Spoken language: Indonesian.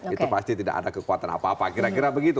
itu pasti tidak ada kekuatan apa apa kira kira begitu